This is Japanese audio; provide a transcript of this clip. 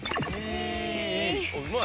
うまい。